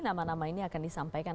nama nama ini akan disampaikan